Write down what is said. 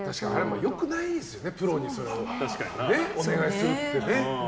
よくないんですよね、プロにお願いするってね。